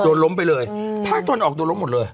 โดนล้มไปเลยภาคตะวันออกโดนล้มหมดเลย